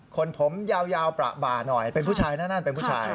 คนผมยาวประบ่าหน่อยเป็นผู้ชายนั่นเป็นผู้ชาย